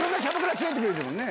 連れてってくれるもんね。